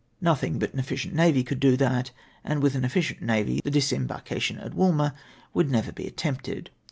Nothing but an efficient navy could do that ; and with an efficient na\y the disem barkation at Walmer would never be attempted.